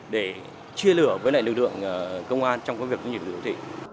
để chia lửa với lực lượng công an trong việc nhiệm vụ đô thị